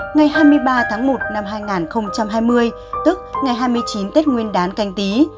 ngày hai mươi ba tháng một năm hai nghìn hai mươi tức ngày hai mươi chín tết nguyên đán canh tí